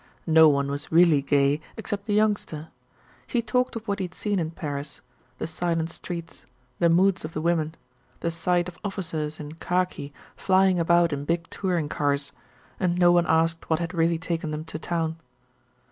No one was really gay except the Youngster. He talked of what he had seen in Paris the silent streets the moods of the women the sight of officers in khaki flying about in big touring cars and no one asked what had really taken them to town.